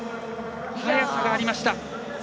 速さがありました。